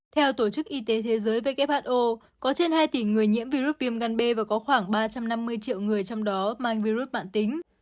theo tổ chức y tế thế giới who có trên hai tỷ người nhiễm virus viêm gan b và có khoảng ba trăm năm mươi triệu người trong đó mang virus bản tính